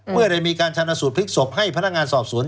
เมื่อได้มีการชนะสูตรพลิกศพให้พนักงานสอบสวน